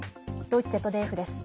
ドイツＺＤＦです。